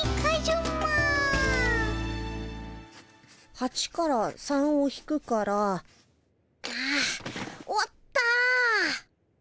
８から３を引くからあ終わった！